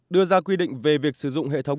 đưa ra quy định về việc sử dụng hệ thống